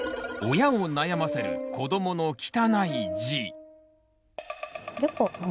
親を悩ませる子どもの汚い字。